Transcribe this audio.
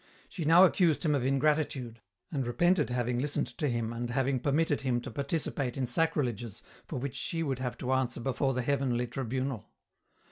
She now accused him of ingratitude, and repented having listened to him and having permitted him to participate in sacrileges for which she would have to answer before the heavenly tribunal.